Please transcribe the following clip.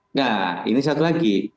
nah ini satu lagi